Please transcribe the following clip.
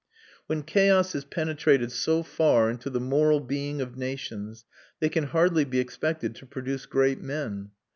When chaos has penetrated so far into the moral being of nations they can hardly be expected to produce great men.